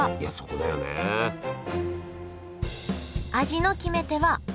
味の決め手はお酢。